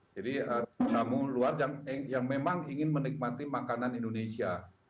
jadi tamu luar yang memang ingin menikmati makanan indonesia